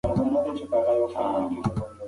مرغۍ د پاچا له قضاوت څخه ډېره زیاته خوښه شوه.